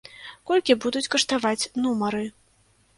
Колькі будуць каштаваць нумары?